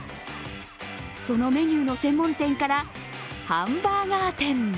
そのメニューの専門店からハンバーガー店。